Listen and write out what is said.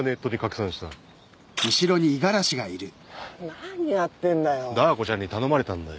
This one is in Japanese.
何やってんだよ。